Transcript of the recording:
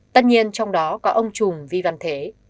tất nhiên trong đó có ông trùng vi văn thế